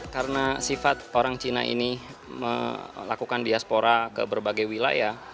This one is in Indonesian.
karena sifat orang cina ini melakukan diaspora ke berbagai wilayah